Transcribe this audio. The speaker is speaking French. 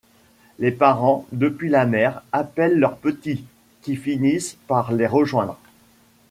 Les parents, depuis la mer, appellent leurs petits, qui finissent par les rejoindre.